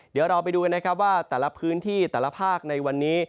เดี๋ยวเราไปดูกันนะครับว่าแต่ละพื้นที่แต่ละภาคในวันนี้